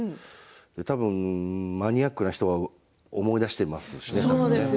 多分、マニアックな人は思い出していますしね。